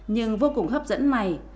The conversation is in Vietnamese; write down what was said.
nhưng vô cùng hấp dẫn này